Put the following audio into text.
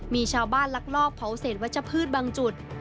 มีชาวบ้านลักลอบเผาเศษวัชพืชบางจุด